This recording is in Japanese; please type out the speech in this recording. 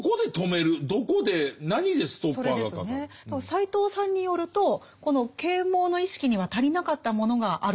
斎藤さんによるとこの啓蒙の意識には足りなかったものがあるとお考えですよね？